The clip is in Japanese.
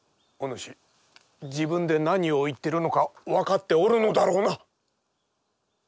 お主自分で何を言ってるのか分かっておるのだろうな？